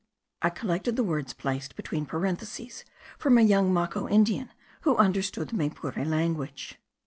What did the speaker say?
I collected the words placed between parentheses from a young Maco Indian, who understood the Maypure language.)